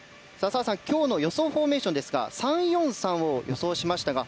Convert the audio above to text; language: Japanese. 澤さん、今日の予想フォーメーションですが３−４−３を予想しましたが